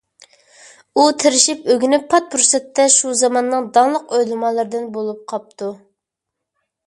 ئۇ تىرىشىپ ئۆگىنىپ، پات پۇرسەتتە شۇ زاماننىڭ داڭلىق ئۆلىمالىرىدىن بولۇپ قاپتۇ.